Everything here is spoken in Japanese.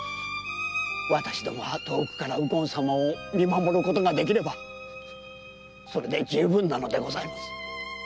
私どもは遠くから右近様を見守ることができればそれでじゅうぶんなのでございます。